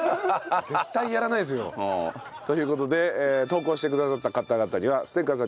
絶対やらないですよ。という事で投稿してくださった方々にはステッカー。